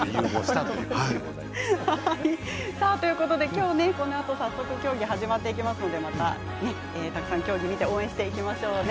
きょうこのあと競技始まっていきますのでたくさん競技見て応援していきましょうね。